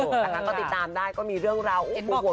แบบนั้นก็ติดตามได้ก็มีเรื่องราว